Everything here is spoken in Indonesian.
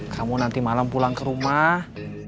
kamu nanti malam pulang ke rumah